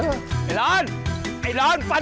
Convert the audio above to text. หรือใครกำลังร้อนเงิน